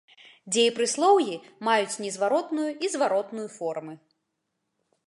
Дзеепрыслоўі маюць незваротную і зваротную формы.